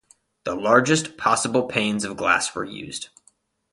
The largest possible panes of glass were used.